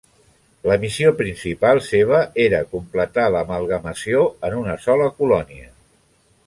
La missió principal seva era completar l'amalgamació en una sola colònia.